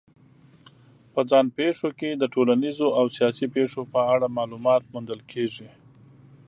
په ځان پېښو کې د ټولنیزو او سیاسي پېښو په اړه معلومات موندل کېږي.